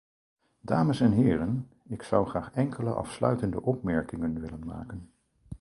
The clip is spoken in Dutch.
Dames en heren, ik zou graag enkele afsluitende opmerkingen willen maken.